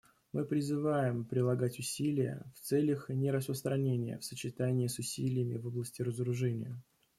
Мы призываем прилагать усилия в целях нераспространения в сочетании с усилиями в области разоружения.